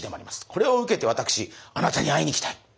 これを受けて私あなたに会いに行きたい。